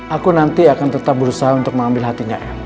aku nanti akan tetap berusaha untuk mengambil hatinya ya